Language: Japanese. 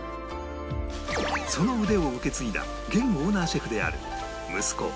その腕を受け継いだ現オーナーシェフである息子